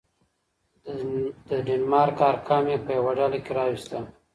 د دنمارک ارقام يې په يوه ډله کي راوستل.